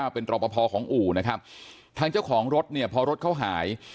เป็นรอปภของอู่นะครับทางเจ้าของรถเนี่ยพอรถเขาหาย